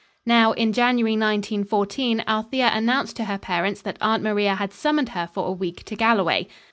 Now, in January 1914, Althea announced to her parents that Aunt Maria had summoned her for a week to Galloway.